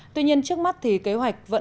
tuy nhiên trước mắt thì kế hoạch vẫn bị